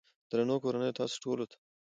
درنو کورنيو تاسو ټولو ته